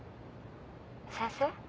先生。